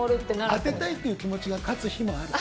当てたいっていう気持ちが勝つ日もある。